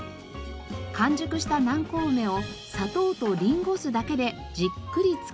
完熟した南高梅を砂糖とりんご酢だけでじっくり漬け込んでいます。